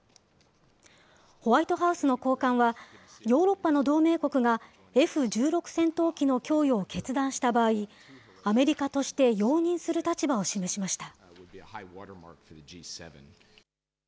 ホワイトハウスの高官は、ヨーロッパの同盟国がＦ１６戦闘機の供与を決断した場合、アメリカとして容認する立場を示しました。